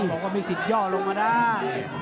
บอกว่ามีสิทธิย่อลงมาได้